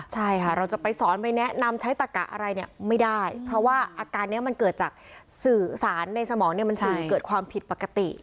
ใช่ค่ะเราจะไปสอนไปแนะนำใช้ตะกะอะไรเนี่ยไม่ได้เพราะว่าอาการนี้มันเกิดจากสื่อสารในสมองเนี่ยมันสื่อเกิดความผิดปกติ